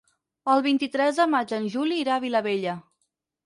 El vint-i-tres de maig en Juli irà a Vilabella.